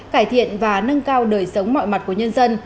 cải thiện và nâng cao đời sống mọi mặt của nhân dân